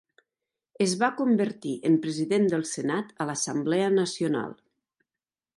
Es va convertir en president del senat a l'Assemblea Nacional.